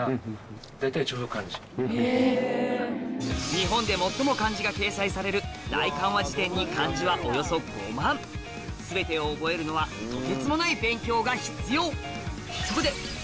日本で最も漢字が掲載される大漢和辞典に漢字はおよそ５万全てを覚えるのはとてつもない勉強が必要